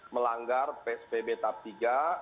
melanggar psbb tahap tiga